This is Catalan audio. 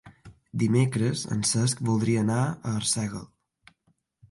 Dimecres en Cesc voldria anar a Arsèguel.